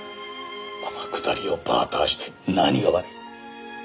天下りをバーターして何が悪い？